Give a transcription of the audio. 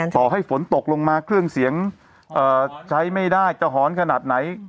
ต่อให้ฝนตกลงมาเครื่องเสียงใช้ไม่ได้จะหอนขนาดไหน